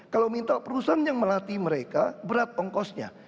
kalau minta perusahaan yang melatih mereka berat ongkosnya